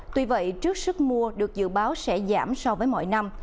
tuy vậy trước sức mua được dự báo sẽ giảm so với mọi năm